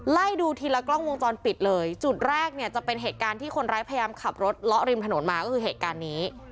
ไล่ดูทีละกล้องวงจรปิดเลยจุดแรกเนี่ยจะเป็นเหตุการณ์ที่คนร้ายพยายามขับรถเลาะริมถนนมาก็คือเหตุการณ์นี้